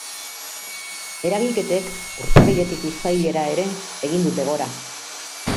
Eragiketek urtarriletik uztailera ere egin dute gora.